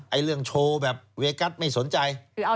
เรื่องโชว์แบบเวกัสไม่สนใจ